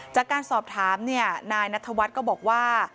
จากการสอบถามนายนัทวัฒน์ก็บอกว่า